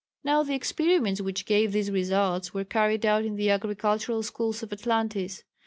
Now the experiments which gave these results were carried out in the agricultural schools of Atlantis.